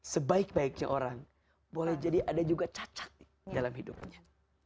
sebaik baiknya orang boleh jadi ada juga cacat dalam hidupnya